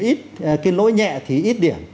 ít cái lỗi nhẹ thì ít điểm